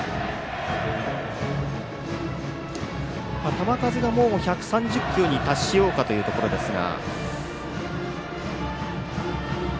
球数がもう１３０球に達しようかというところですが。